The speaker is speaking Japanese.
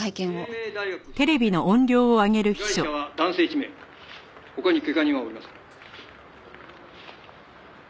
「帝名大学敷地内被害者は男性１名」「他に怪我人はおりません」